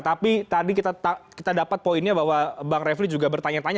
tapi tadi kita dapat poinnya bahwa bang refli juga bertanya tanya